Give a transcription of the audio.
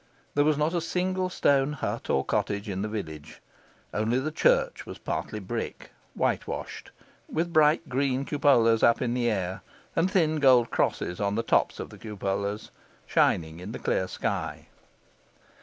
There was not a single stone hut or cottage in the village. Only the church was partly brick, whitewashed, with bright green cupolas up in the air, and thin gold crosses on the tops of the cupolas, shining in the clear sky.